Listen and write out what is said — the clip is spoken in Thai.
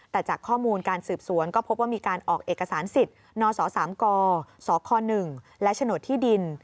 แต่จากข้อมูลการสืบสวนก็พบว่ามีการออกเอกสารสิทธิ์นศ๓กสค๑และโฉนดที่ดิน